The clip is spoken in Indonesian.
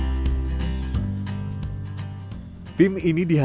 dan juga untuk membangkitkan kembali ke kota timika